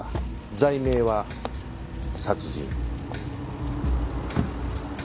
罪名は殺人。